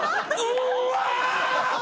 うわ！